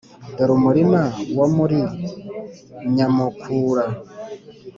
dore umurima wo muri nyamukura